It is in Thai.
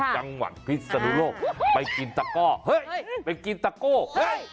จังหวัดพิศนุโลกไปกินตะก้อเฮ้ยไปกินตะโก้เฮ้ย